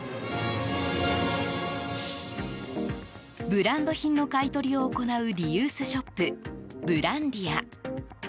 ブランド品の買い取りを行うリユースショップブランディア。